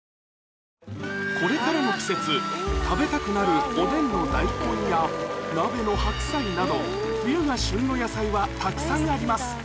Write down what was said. これからの季節食べたくなるおでんの大根や鍋の白菜など冬が旬の野菜はたくさんあります